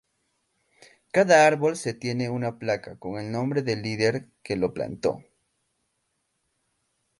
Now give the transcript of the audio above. Cada árbol se tiene una placa con el nombre del líder que lo plantó.